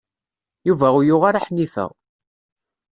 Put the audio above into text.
Yuba ur yuɣ ara Ḥnifa.